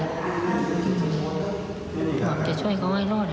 อยากจะช่วยเขาให้รอดเหรอเนอะ